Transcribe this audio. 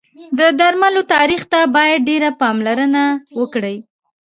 د درملو تاریخ ته باید ډېر پاملرنه وکړی